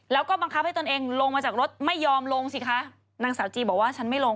แล้วก็บังคับให้ตนเองลงมาจากรถไม่ยอมลงสิคะนางสาวจีบอกว่าฉันไม่ลง